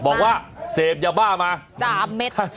บอกว่าเสพยาบ้ามา๓เม็ด